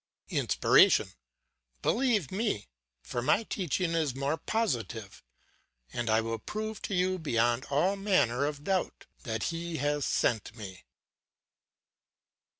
"INSPIRATION: Believe me, for my teaching is more positive; and I will prove to you beyond all manner of doubt that he has sent me.